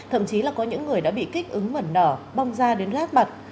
thậm chí là có những người đã bị kích ứng mẩn đỏ bong da đến rát mặt